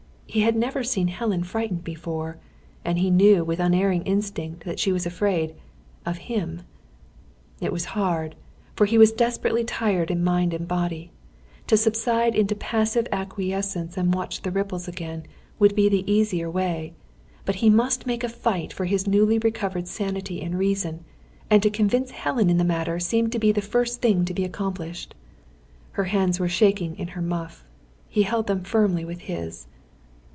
He had never seen Helen frightened before; and he knew with unerring instinct that she was afraid of him. It was hard; for he was desperately tired in mind and body. To subside into passive acquiescence and watch the ripples again, would be the easier way. But he must make a fight for his newly recovered sanity and reason, and to convince Helen in the matter seemed the first thing to be accomplished. Her hands were shaking in her muff. He held them firmly with his.